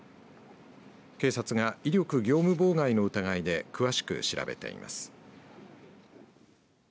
警察が威力業務妨害の疑いで詳しく調べています。